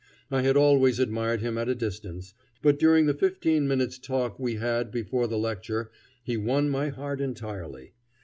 I had always admired him at a distance, but during the fifteen minutes' talk we had before the lecture he won my heart entirely.